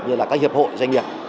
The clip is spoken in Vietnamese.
như là các hiệp hội doanh nghiệp